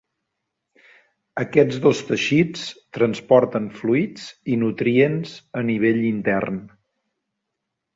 Aquests dos teixits transporten fluids i nutrients a nivell intern.